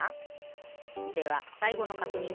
ではさいごのかくにんだぞ。